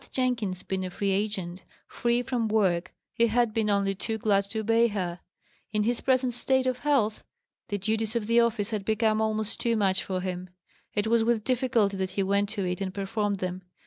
Had Jenkins been a free agent free from work he had been only too glad to obey her. In his present state of health, the duties of the office had become almost too much for him; it was with difficulty that he went to it and performed them.